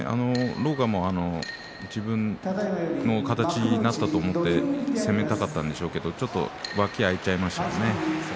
狼雅も自分の形になったと思って攻めたかったんでしょうけれどちょっと脇が空いちゃいましたね。